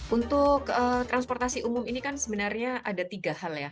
untuk transportasi umum ini kan sebenarnya ada tiga hal ya